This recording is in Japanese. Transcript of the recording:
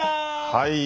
はい。